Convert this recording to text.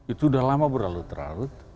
itu sudah lama berlalu lalu